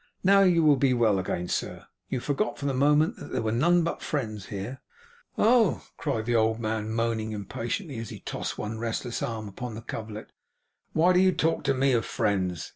'Now, you will be well again, sir. You forgot, for the moment, that there were none but friends here.' 'Oh!' cried the old man, moaning impatiently, as he tossed one restless arm upon the coverlet; 'why do you talk to me of friends!